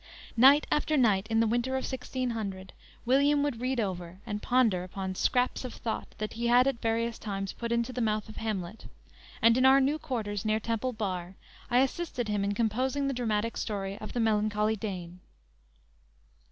Night after night in the winter of 1600, William would read over, and ponder upon "scraps of thought," that he had at various times put into the mouth of Hamlet, and in our new quarters, near Temple Bar, I assisted him in composing the dramatic story of the melancholy Dane.